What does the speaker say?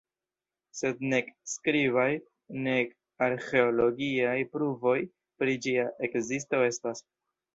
Sed nek skribaj, nek arĥeologiaj pruvoj pri ĝia ekzisto estas.